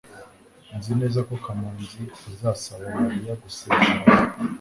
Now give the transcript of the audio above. nzi neza ko kamanzi azasaba mariya gusezerana